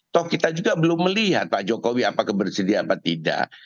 toh kita juga belum melihat pak jokowi apakah bersedia apa tidak